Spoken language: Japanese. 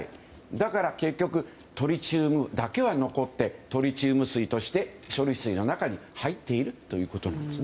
だから、結局トリチウムだけは残ってトリチウム水として処理水の中に入っているということなんです。